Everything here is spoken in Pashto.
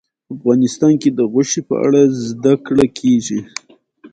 افغانستان کې د غوښې په اړه زده کړه کېږي.